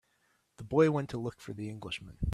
The boy went to look for the Englishman.